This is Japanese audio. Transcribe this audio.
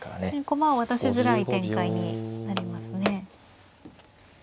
駒を渡しづらい展開になりますね。